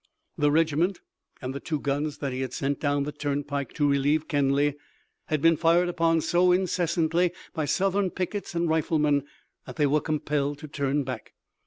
The regiment and the two guns that he had sent down the turnpike to relieve Kenly had been fired upon so incessantly by Southern pickets and riflemen that they were compelled to turn back.